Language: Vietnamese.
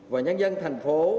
và nhân dân thành phố